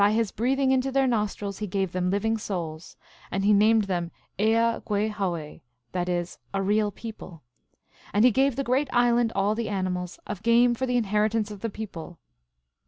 25 breathing into their nostrils he gave them living souls, and named them ea gwe howe, that is a real people ; and he gave the Great Island all the animals of game for the inheritance of the people.